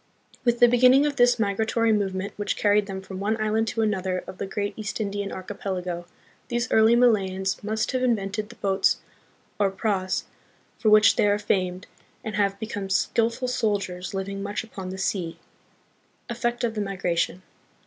With the beginning of this migratory movement which carried them from one island to another of the great East Indian Archipelago, these early Malayans must have in vented the boats or praus for which they are famed and have become skillful sailors living much upon the sea. Effect of the Migration.